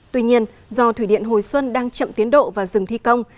tuy nhiên do thủy điện hồi xuân đang chậm tiến độ và dừng thi công